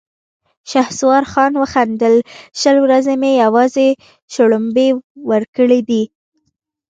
شهسوار خان وخندل: شل ورځې مې يواځې شړومبې ورکړې دي!